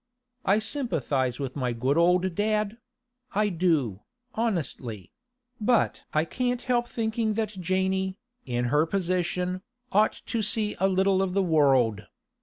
I sympathise with my good old dad; I do, honestly; but I can't help thinking that Janey, in her position, ought to see a little of the world.